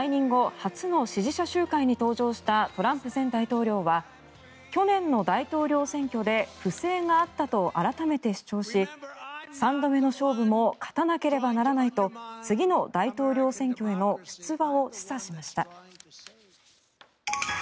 初の支持者集会に登場したトランプ前大統領は去年の大統領選挙で不正があったと改めて主張し３度目の勝負も勝たなければならないと次の大統領選挙への出馬を示唆しました。